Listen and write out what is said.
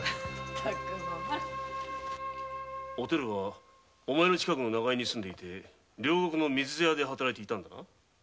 お照は近所の長屋に住んで両国の水茶屋で働いていたんだな。